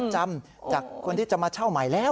จำจากคนที่จะมาเช่าใหม่แล้ว